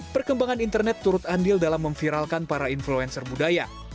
perkembangan internet turut andil dalam memviralkan para influencer budaya